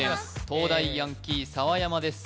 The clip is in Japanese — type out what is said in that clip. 東大ヤンキー澤山です